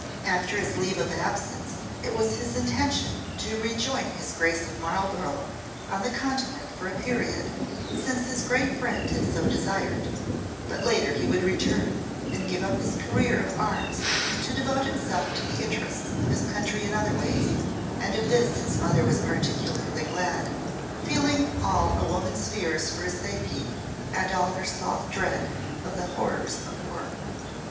After his leave of absence it was his intention to rejoin his Grace of Marlborough on the Continent for a period, since his great friend had so desired, but later he would return and give up his career of arms to devote himself to the interests of his country in other ways, and of this his mother was particularly glad, feeling all a woman's fears for his safety and all her soft dread of the horrors of war.